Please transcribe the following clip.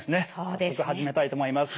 早速始めたいと思います。